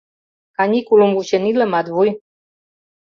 — Каникулым вучен иле, Матвуй.